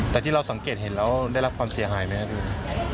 แต่ที่เราสังเกตเห็นแล้วได้รับความเสียหายไหมครับคุณ